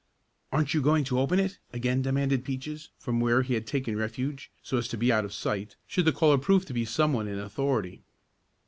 "Aren't you going to open it?" again demanded Peaches, from where he had taken refuge, so as to be out of sight, should the caller prove to be some one in authority.